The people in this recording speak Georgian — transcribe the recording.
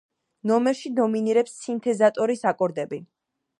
ნომერში დომინირებს სინთეზატორის აკორდები.